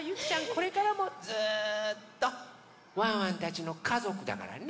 これからもずっとワンワンたちのかぞくだからね！